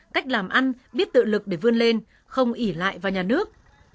cách làm ăn biết tự lực để vươn lên không ỉ lại vào nhà nước